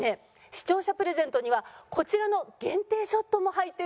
視聴者プレゼントにはこちらの限定ショットも入っているんです。